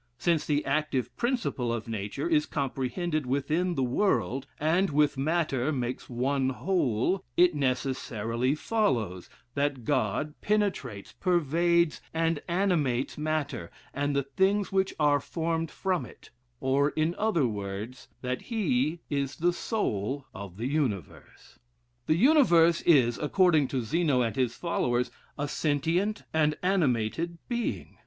Since the active principle of nature is comprehended within the world, and with matter makes one whole, it necessarily follows that God penetrates, pervades, and animates matter, and the things which are formed from it; or, in other words, that he is the soul of the universe. The universe is, according to Zeno and his followers, "a sentient and animated being."